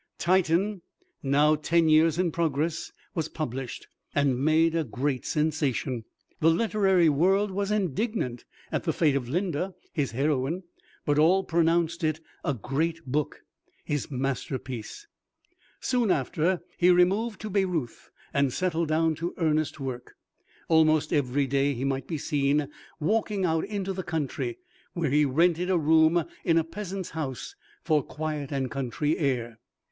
"Titan," now ten years in progress, was published, and made a great sensation. The literary world was indignant at the fate of "Linda," his heroine, but all pronounced it a great book, his masterpiece. Soon after he removed to Bayreuth, and settled down to earnest work. Almost every day he might be seen walking out into the country, where he rented a room in a peasant's house for quiet and country air.